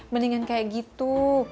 mendingan kayak gitu